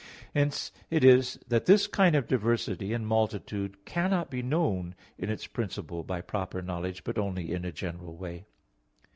Hence it is that this kind of diversity and multitude cannot be known in its principle by proper knowledge, but only in a general way.